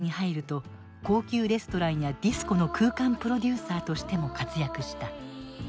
高級レストランやディスコの空間プロデューサーとしても活躍した。